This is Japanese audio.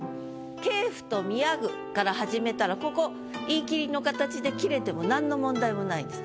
「継父と見上ぐ」から始めたらここ言い切りの形で切れてもなんの問題もないんです。